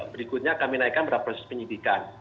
berikutnya kami naikkan pada proses penyidikan